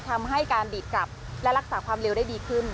ทำให้การดีดกลับและรักษาความเร็วได้ดีขึ้น